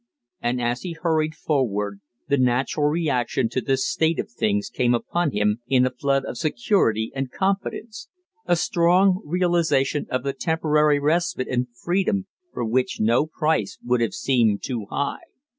And as he hurried forward the natural reaction to this state of things came upon him in a flood of security and confidence a strong realization of the temporary respite and freedom for which no price would have seemed too high.